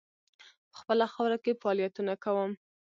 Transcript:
په خپله خاوره کې فعالیتونه کوم.